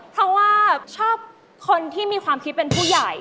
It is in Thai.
เพราะว่าชอบคนที่มีความคิดเป็นผู้ใหญ่